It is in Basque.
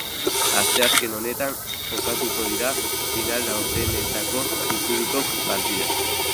Asteazken honetan jokatuko dira final-laurdenetako itzuliko partidak.